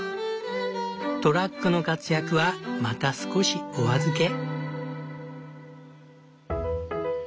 トラックの活躍はまた少しお預け。